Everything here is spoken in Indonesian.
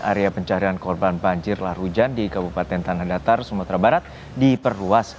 area pencarian korban banjir lahar hujan di kabupaten tanah datar sumatera barat diperluas